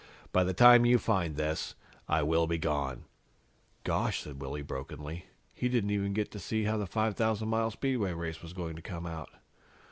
By the time you find this, I will be gone.'" "Gosh," said Willy brokenly, "he didn't even get to see how the 5000 mile Speedway Race was going to come out."